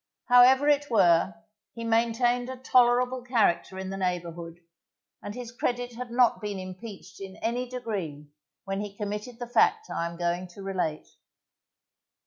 However it were, he maintained a tolerable character in the neighbourhood, and his credit had not been impeached in any degree when he committed the fact I am going to relate.